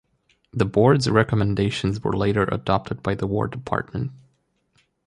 The board's recommendations were later adopted by the War Department.